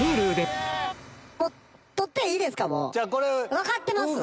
分かってます？